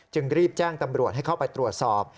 รีบแจ้งตำรวจให้เข้าไปตรวจสอบ